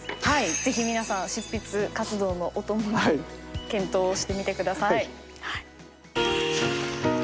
ぜひ皆さん執筆活動のお供に検討してみてください。